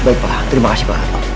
baik pak terima kasih pak